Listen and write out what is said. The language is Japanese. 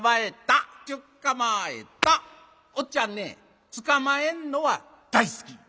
おっちゃんねつかまえんのは大好き。